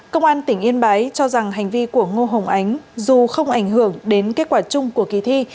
công an tỉnh yên bái cho rằng hành vi của ngô hồng ánh dù không ảnh hưởng đến kết quả chung của kỳ thi